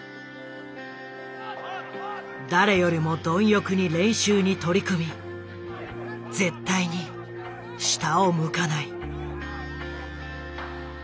誰よりも貪欲に練習に取り組み絶対に下を向かない。